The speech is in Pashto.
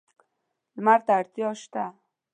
لمر ته اړتیا شته.